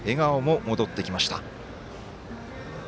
笑顔も戻ってきました。